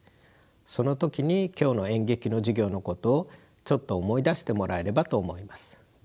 その時に今日の演劇の授業のことをちょっと思い出してもらえればと思います。